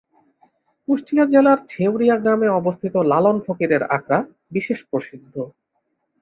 কুষ্টিয়া জেলার ছেঁউড়িয়া গ্রামে অবস্থিত লালন ফকিরের আখড়া বিশেষ প্রসিদ্ধ।